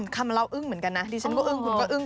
คำเล่าอึ้งเหมือนกันนะดิฉันก็อึ้งคุณก็อึ้ง